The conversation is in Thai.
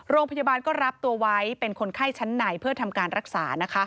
โรงพยาบาลก็รับตัวไว้เป็นคนไข้ชั้นในเพื่อทำการรักษา